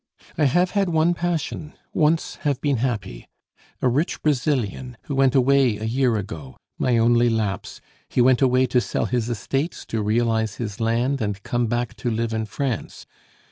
"I have had one passion, once have been happy a rich Brazilian who went away a year ago my only lapse! He went away to sell his estates, to realize his land, and come back to live in France.